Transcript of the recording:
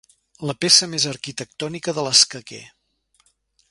La peça més arquitectònica de l'escaquer.